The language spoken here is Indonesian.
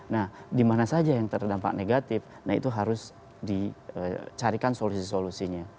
nah di mana saja yang terdampak negatif nah itu harus dicarikan solusi solusinya